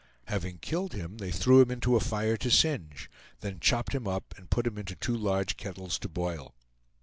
Having killed him they threw him into a fire to singe; then chopped him up and put him into two large kettles to boil.